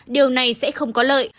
điều này sẽ không có lợi